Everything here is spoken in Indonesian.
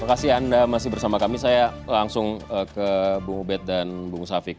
terima kasih anda masih bersama kami saya langsung ke bu mubed dan bu musafik